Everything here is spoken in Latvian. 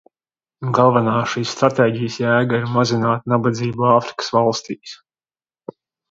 Galvenā šīs stratēģijas jēga ir mazināt nabadzību Āfrikas valstīs.